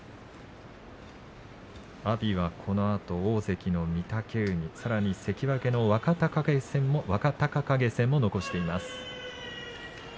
阿炎はこのあと大関の御嶽海戦さらには関脇の若隆景戦も残しています。